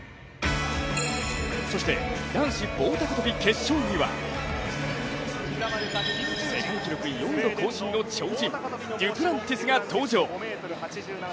そして男子棒高跳決勝には世界記録４度更新の超人デュプランティスが登場。